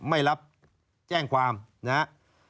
ไม่รับแจ้งความนะครับ